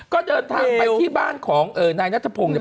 ก็เดินทางไปที่บ้านของนายนัทพงศ์เนี่ย